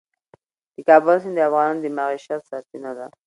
د کابل سیند د افغانانو د معیشت سرچینه ده.